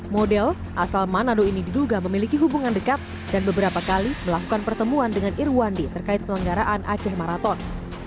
model asal manado ini diduga memiliki hubungan dekat dan beberapa kali melakukan pertemuan dengan irwandi terkait pelenggaraan aceh maraton